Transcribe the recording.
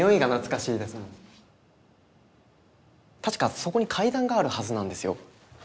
確かそこに階段があるはずなんですよ。